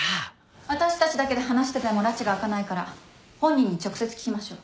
私たちだけで話しててもらちが明かないから本人に直接聞きましょう。